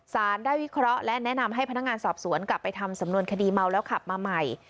สารได้วิเคราะห์และแนะนำให้พนักงานสอบสวนกลับไปทำสำนวนคดีเมาแล้วขับมาใหม่